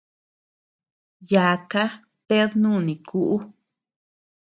Yaka, ted nuni kuʼu.